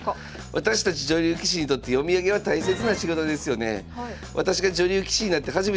「私たち女流棋士にとって読み上げは大切な仕事ですよね」。